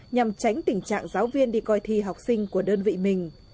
nhằm tránh tình trạng giáo viên đi coi thi học sinh của đơn vị mình